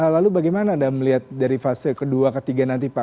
lalu bagaimana anda melihat dari fase kedua ketiga nanti pak